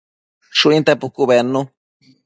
Shuinte pucu bednu